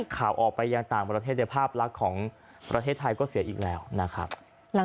ข่าวออกไปยังต่างประเทศในภาพลักษณ์ของประเทศไทยก็เสียอีกแล้วนะครับ